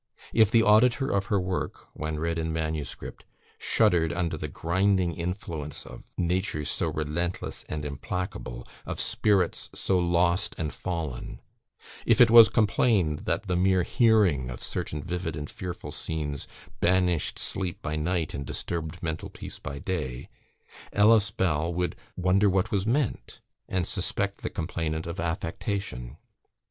If the auditor of her work, when read in manuscript, shuddered under the grinding influence of natures so relentless and implacable of spirits so lost and fallen; if it was complained that the mere hearing of certain vivid and fearful scenes banished sleep by night, and disturbed mental peace by day, Ellis Bell would wonder what was meant, and suspect the complainant of affectation.